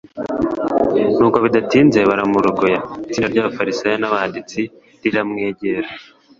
Nuko bidatinze baramurogoya. Itsinda ry'abafarisayo n'abanditsi riramwegera ;